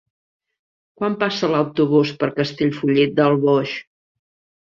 Quan passa l'autobús per Castellfollit del Boix?